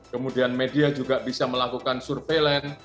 kemudian media juga bisa melakukan surveillance